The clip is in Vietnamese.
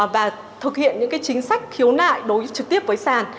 và thực hiện những chính sách khiếu nại đối trực tiếp với sàn